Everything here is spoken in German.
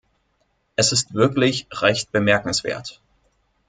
Es ist wirklich recht bemerkenswert.